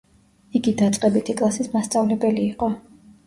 იგი დაწყებითი კლასის მასწავლებელი იყო.